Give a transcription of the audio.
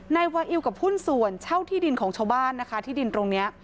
นายวาอิวกับหุ้นส่วนเช่าที่ดินของชาวบ้านนะคะที่ดินตรงนี้